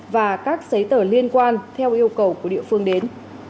và các giấy tờ liên quan theo yêu cầu của địa phương đến